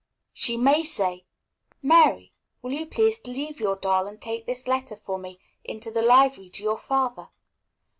She may say, "Mary, will you please to leave your doll and take this letter for me into the library to your father?"